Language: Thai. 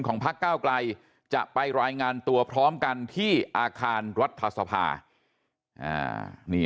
พักก้าวไกลจะไปรายงานตัวพร้อมกันที่อาคารรัฐสภา